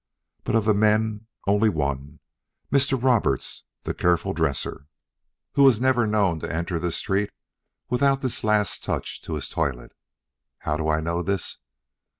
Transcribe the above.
But of the men, only one Mr. Roberts, the careful dresser, who was never known to enter the street without this last touch to his toilet. How do I know this?